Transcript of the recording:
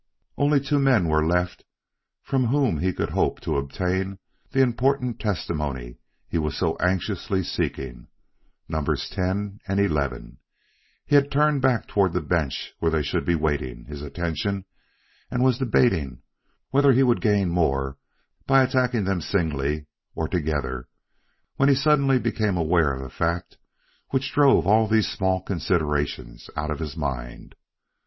Only two men were left from whom he could hope to obtain the important testimony he was so anxiously seeking: Nos. 10 and 11. He had turned back toward the bench where they should be awaiting his attention and was debating whether he would gain more by attacking them singly or together, when he suddenly became aware of a fact which drove all these small considerations out of his mind.